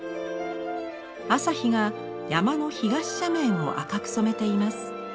朝日が山の東斜面を赤く染めています。